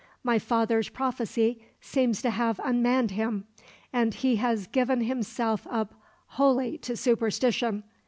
My father's prophecy seems to have unmanned him, and he has given himself up wholly to superstition.